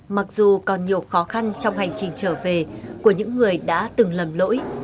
mặc dù còn nhiều khó khăn trong hành trình trở về của những người đã từng lầm lỗi